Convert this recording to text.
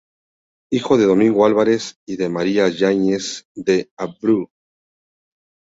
Hijo de Domingo Álvarez y de María Yánez de Abreu.